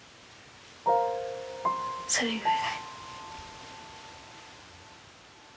それぐらい。